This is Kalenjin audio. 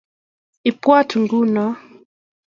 Ibwaat nguno.